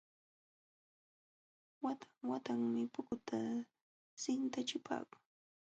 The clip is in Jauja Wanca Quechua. Watan watanmi pukuta sintachipaakun.